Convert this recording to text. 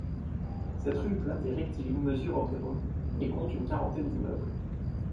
Cette rue plate et rectiligne mesure environ et compte une quarantaine d'immeubles.